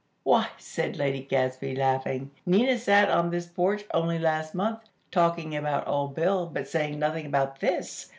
"Why!" said Lady Gadsby, laughing, "Nina sat on this porch only last month, talking about Old Bill, but saying nothing about this!